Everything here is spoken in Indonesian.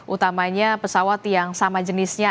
utamanya pesawat yang sama jenisnya